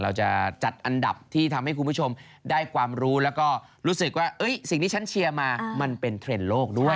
เราจะจัดอันดับที่ทำให้คุณผู้ชมได้ความรู้แล้วก็รู้สึกว่าสิ่งที่ฉันเชียร์มามันเป็นเทรนด์โลกด้วย